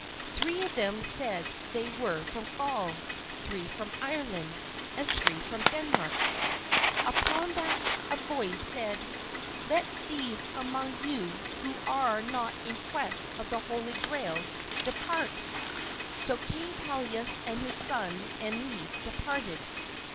Three of them said they were from Gaul, three from Ireland, and three from Denmark. Upon that a voice said, "Let those among you who are not in quest of the Holy Grail depart." So King Pelleas and his son and niece departed.